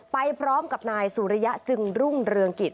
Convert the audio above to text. ไปพร้อมกับนายสุริยะจึงรุ่งเรืองกิจ